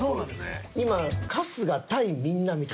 今。